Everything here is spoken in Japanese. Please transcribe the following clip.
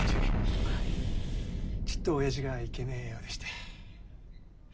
ちっと親父がいけねえようでして。